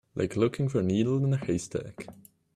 Like looking for a needle in a haystack.